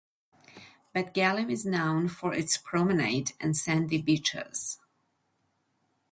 Bat Galim is known for its promenade and sandy beaches.